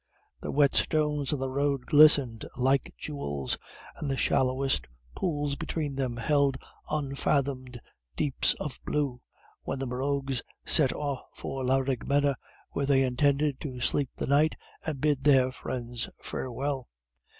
The wet stones on the road glistened like jewels, and the shallowest pools between them held unfathomed deeps of blue, when the Morroughs set off for Laraghmena, where they intended to sleep the night, and bid their friends farewell.